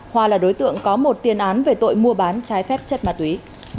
hoa là đối tượng có một tiền án về tội mua bán trái phép chất ma túy